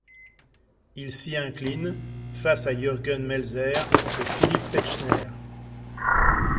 Ils s'y inclinent face à Jürgen Melzer et Philipp Petzschner.